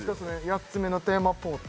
８つ目のテーマポート